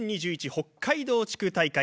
北海道地区大会。